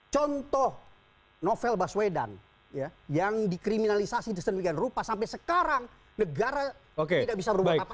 contoh novel baswedan yang dikriminalisasi di sedemikian rupa sampai sekarang negara tidak bisa berubah apa apa